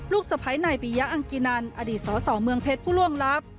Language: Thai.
ลูกสภัยนายปียังอังกินันอดีตศอสองเมืองเพชรผู้ร่วงรับ